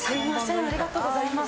ありがとうございます。